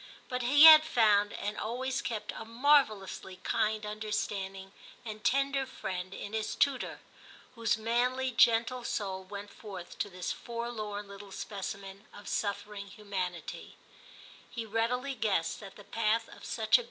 But he had found and always kept a marvellously kind understanding and tender friend in his tutor, whose manly gentle soul went forth to this forlorn little specimen of suffering humanity ; he readily guessed that the path of such a ii6 TIM CHAP.